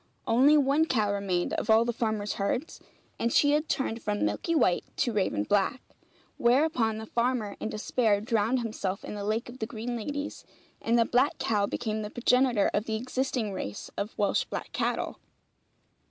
Only one cow remained of all the farmer's herds, and she had turned from milky white to raven black. Whereupon the farmer in despair drowned himself in the lake of the green ladies, and the black cow became the progenitor of the existing race of Welsh black cattle.